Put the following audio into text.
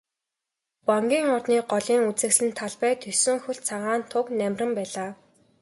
Вангийн ордны голын үзэсгэлэнт талбайд есөн хөлт цагаан туг намиран байлаа.